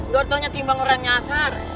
gue udah tanya timbang orang yang nyasar